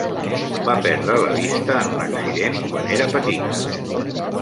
Va perdre la vista en un accident quan era petita.